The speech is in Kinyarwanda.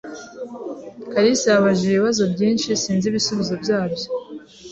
kalisa yabajije ibibazo byinshi sinzi ibisubizo byabyo.